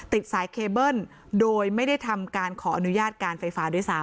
ติดสายเคเบิ้ลโดยไม่ได้ทำการขออนุญาตการไฟฟ้าด้วยซ้ำ